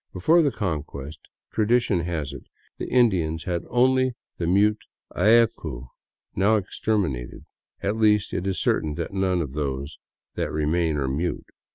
Before the Conquest, tradition has it, the Indians had only the mute allcu, now exterminated — at least, it is certain that none of those that remain are mute.